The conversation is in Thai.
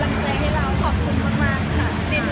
แพลนไปเดี๋ยวเขาไม่ว่าง